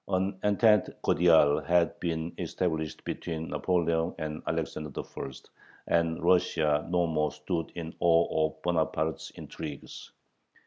An entente cordiale had been established between Napoleon and Alexander I., and Russia no more stood in awe of Bonaparte's "intrigues."